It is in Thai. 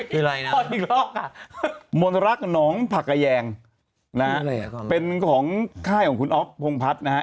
คืออะไรนะพออีกรอบค่ะมณรักหนองผักแกระแยงนะฮะเป็นของค่ายของคุณอ๊อคพงภัทรนะฮะ